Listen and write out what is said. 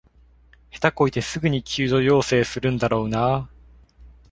下手こいてすぐに救助要請するんだろうなあ